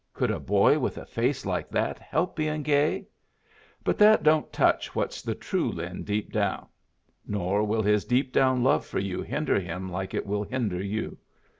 Could a boy with a face like that help bein' gay? But that don't touch what's the true Lin deep down. Nor will his deep down love for you hinder him like it will hinder you.